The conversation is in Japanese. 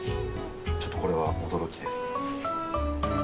ちょっとこれは驚きです。